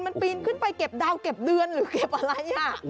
มันปีนขึ้นไปเก็บดาวเก็บเดือนหรือเก็บอะไร